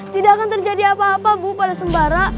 tidak akan terjadi apa apa bu pada sembara